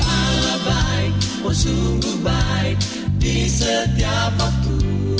alam baik oh sungguh baik di setiap waktu